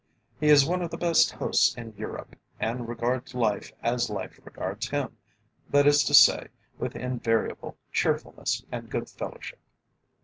He is one of the best hosts in Europe, and regards life as life regards him, that is to say, with invariable cheerfulness and goodfellowship.